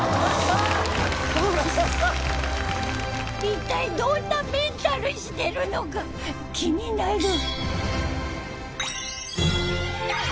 一体どんなメンタルしてるのかキニナル！